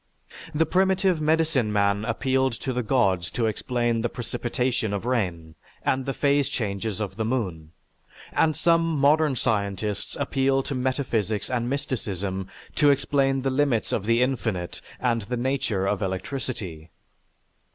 The primitive medicine man appealed to the gods to explain the precipitation of rain and the phase changes of the moon, and some modern scientists appeal to metaphysics and mysticism to explain the limits of the infinite and the nature of electricity."